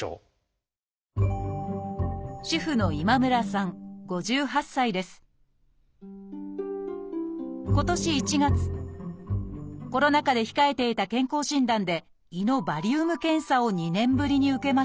主婦の今年１月コロナ禍で控えていた健康診断で胃のバリウム検査を２年ぶりに受けました。